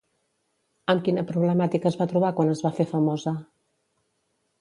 Amb quina problemàtica es va trobar quan es va fer famosa?